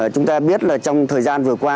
chúng ta biết là trong thời gian vừa qua